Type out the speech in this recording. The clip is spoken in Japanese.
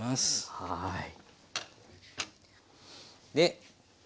はい。